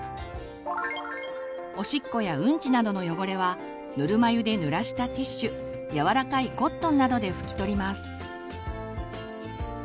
おしっこやうんちなどの汚れはぬるま湯で濡らしたティッシュ柔らかいコットンなどで拭き取ります。